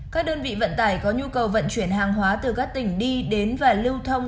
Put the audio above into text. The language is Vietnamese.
các đơn vị vận tải có nhu cầu vận chuyển hàng hóa từ các tỉnh đi đến và lưu thông